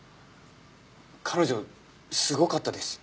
彼女すごかったです